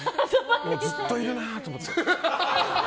ずっといるなと思って。